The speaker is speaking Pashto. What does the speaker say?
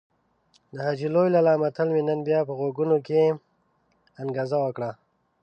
د حاجي لوی لالا متل مې نن بيا په غوږونو کې انګازه وکړه.